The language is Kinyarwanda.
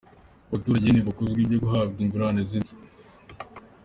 Abaturage ntibakozwa ibyo guhabwa ingurane z’inzu.